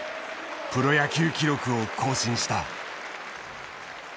プロ野球記録を更新した。